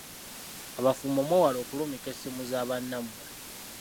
Abafumbo mwewale okulumika essimu za bannammwe.